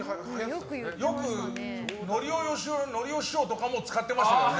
よくのりお師匠とかも使ってましたよね。